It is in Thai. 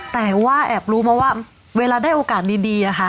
แต่ว่าแอบรู้มาว่าเวลาได้โอกาสดีอะค่ะ